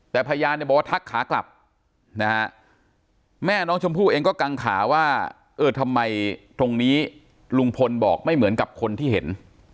แต่พยานเนี่ยบอกว่าทักขากลับนะฮะแม่น้องชมพู่เองก็กังขาว่าเออทำไมตรงนี้ลุงพลบอกไม่เหมือนกับคนที่เห็น